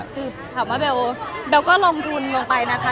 คือถามว่าเบลก็ลงทุนลงไปนะคะ